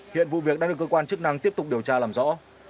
hiện vụ việc đang được cơ quan chức năng tiếp tục điều tra làm rõ